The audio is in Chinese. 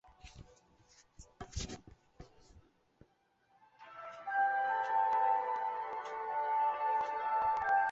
施特拉青是奥地利下奥地利州克雷姆斯兰县的一个市镇。